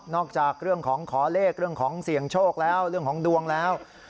จากเรื่องของขอเลขเรื่องของเสี่ยงโชคแล้วเรื่องของดวงแล้ว